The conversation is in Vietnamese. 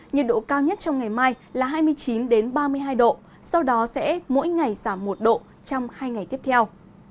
nhiệt độ cao nhất trong ngày mai là hai mươi chín ba mươi hai độ sau đó sẽ mỗi ngày giảm một độ trong hai ngày tiếp theo